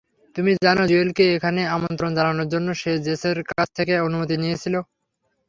তুমি জানো জুয়েলকে এখানে আমন্ত্রণ জানানোর জন্য সে জেসের কাছ থেকে অনুমতি নিয়েছিল।